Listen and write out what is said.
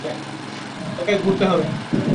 তোকে ঘুরতে হবে।